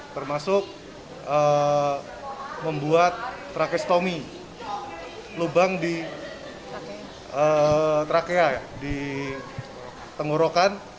termasuk membuat trakestomi lubang di trakea di tenggorokan